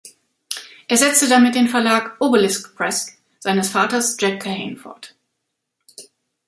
Er setzte damit den Verlag "Obelisk Press" seines Vaters Jack Kahane fort.